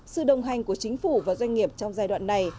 sự đồng hành của chính phủ và doanh nghiệp trong giai đoạn này